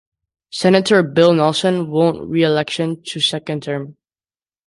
Senator Bill Nelson won re-election to a second term.